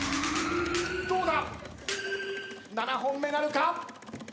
どうだ⁉７本目なるか？